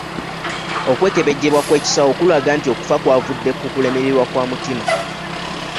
Okwekebejjebwa kw'ekisawo kulaga nti okufa kw'avudde ku kulemererwa kwa mutima.